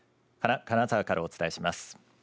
金沢からお伝えします。